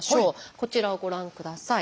こちらをご覧下さい。